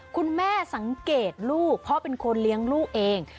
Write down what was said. คุณแม่สังเกตลูกเพราะเป็นคนเลี้ยงลูกเอง